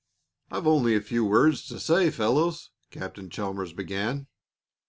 "I've only a few words to say, fellows," Captain Chalmers began.